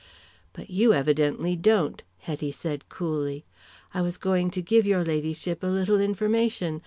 "But you evidently don't," Hetty said coolly. "I was going to give your ladyship a little information.